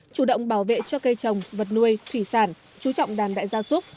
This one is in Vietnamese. chủ động bảo vệ cho cây trồng vật nuôi thủy sản chú trọng đàn đại gia súc